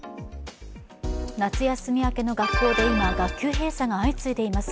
夏休み明けの学校で今、学級閉鎖が相次いでいます。